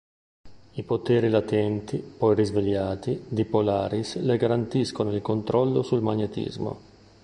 I poteri latenti, poi risvegliati, di Polaris le garantiscono il controllo sul magnetismo.